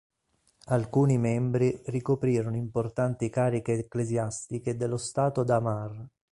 Alcuni membri ricoprirono importanti cariche ecclesiastiche dello Stato da Mar.